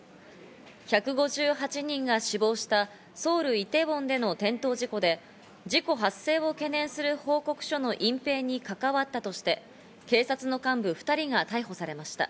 １５８人が死亡したソウル・イテウォンでの転倒事故で、事故発生を懸念する報告書の隠蔽に関わったとして、警察の幹部２人が逮捕されました。